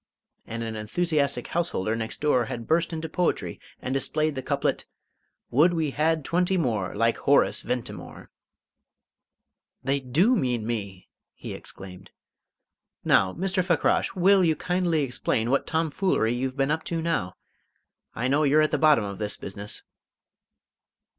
And an enthusiastic householder next door had burst into poetry and displayed the couplet "Would we had twenty more Like Horace Ventimore!" "They do mean me!" he exclaimed. "Now, Mr. Fakrash, will you kindly explain what tomfoolery you've been up to now? I know you're at the bottom of this business."